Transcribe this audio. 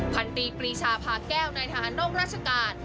พันตีปรีชาพาแก้วนายทหารนอกราชการ